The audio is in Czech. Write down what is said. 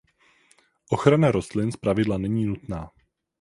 Ochrana rostlin zpravidla není nutná.